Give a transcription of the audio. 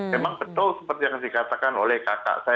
memang betul seperti yang dikatakan oleh kakak saya